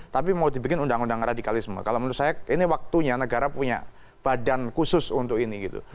tapi mau dibikin undang undang radikalisme kalau menurut saya ini waktunya negara punya badan khusus untuk ini gitu